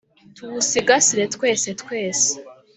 tuwusigasire twese twese,